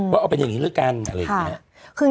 ว่าเอาเป็นอย่างนี้ด้วยกันอะไรอย่างนี้